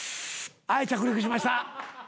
はい着陸しました。